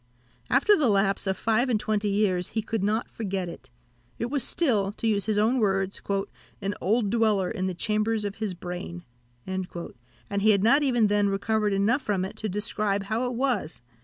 After the lapse of five and twenty years, he could not forget it; it was still, to use his own words, "an old dweller in the chambers of his brain," and he had not even then recovered enough from it to describe how it was.